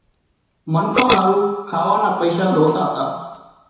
منکان هارُو کاوا نا پئيشا زوتا تا